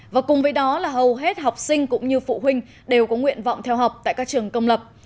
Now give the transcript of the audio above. và cùng với đó là hầu hết học sinh cũng như phụ huynh đều có nguyện vọng theo học tại các trường công lập